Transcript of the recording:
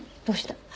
どうした？